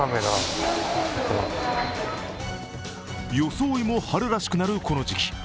装いも春らしくなるこの時期。